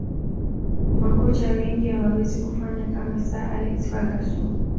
makocha wengi hawawezi kufanya kama sir alex ferguson